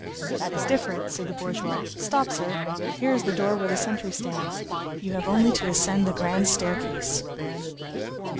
"That is different," said the bourgeois. "Stop, sir; here is the door where the sentry stands. You have only to ascend the grand staircase."